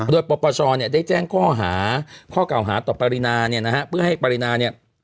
โดยปปชเนี่ยได้แจ้งข้อหาข้อเก่าหาต่อปรินาเนี่ยนะฮะเพื่อให้ปรินาเนี่ย